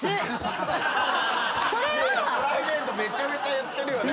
プライベートめちゃめちゃ言ってるよね。